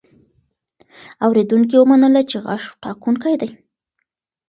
اورېدونکي ومنله چې غږ ټاکونکی دی.